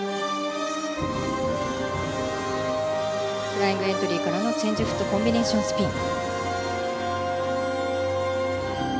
フライングエントリーからのチェンジフットコンビネーションスピン。